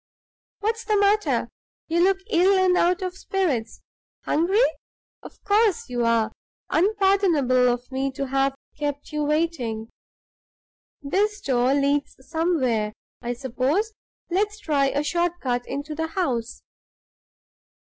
What's the matter? You look ill and out of spirits. Hungry? Of course you are! unpardonable of me to have kept you waiting. This door leads somewhere, I suppose; let's try a short cut into the house.